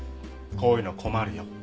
こういうの困るよ。